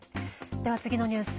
では次のニュース。